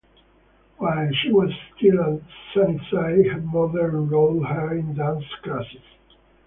While she was still at Sunnyside, her mother enrolled her in dance classes.